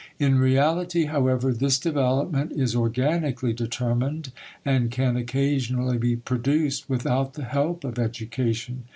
In reality, however, this development is organically determined and can occasionally be produced without the help of education.